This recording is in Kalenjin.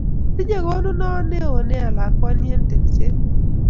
Tinye konunot neo nea lalwani eng' tyenset.